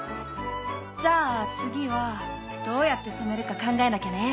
じゃあ次はどうやって染めるか考えなきゃね。